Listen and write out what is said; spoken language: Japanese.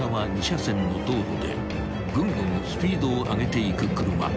２車線の道路でぐんぐんスピードを上げていく車］